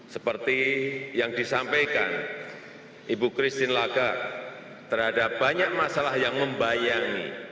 seperti yang disampaikan ibu christine laga terhadap banyak masalah yang membayangi